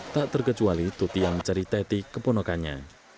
tak terkecuali tuti yang mencari teti keponokannya